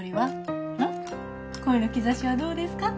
恋の兆しはどうですか？